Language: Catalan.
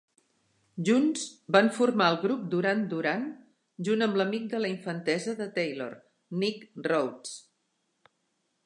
Junts van formar el grup Duran Duran, junt amb l"amic de la infantesa de Taylor, Nick Rhodes.